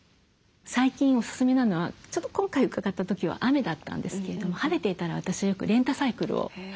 最近おすすめなのはちょっと今回伺った時は雨だったんですけれども晴れていたら私はよくレンタサイクルを。